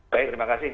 baik terima kasih